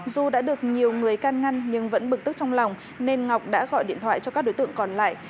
dù đã được nhiều người can ngăn nhưng vẫn bực tức trong lòng nên ngọc đã gọi điện thoại cho các đối tượng còn lại